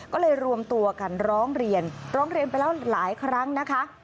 ก็เลยรวมตัวกันร้องเรียนร้องเรียนไปแล้วหลายครั้งนะคะ